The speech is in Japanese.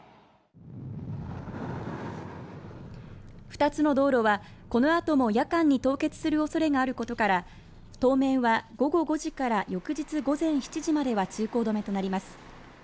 ２つの道路はこのあとも夜間に凍結するおそれがあることから当面は午後５時から翌日午前７時までは通行止めとなります。